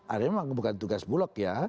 ada yang memang bukan tugas bulog ya